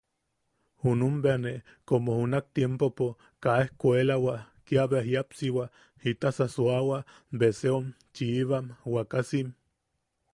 Junum bea ne komo junak tiempopo kaa ejkuelawa kiabea jiapsiwa, jitasa suawa beseom chiibam wakasim.